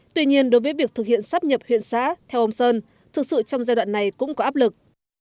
tuy nhiên đối với việc thực hiện sắp nhập huyện xã theo ông sơn thực sự trong giai đoạn này cũng có áp lực